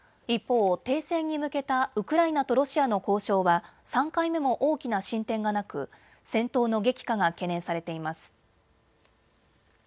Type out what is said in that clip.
一方、停戦に向けたウクライナとロシアの交渉は３回目も大きな進展がなく戦闘の激化が懸念されています。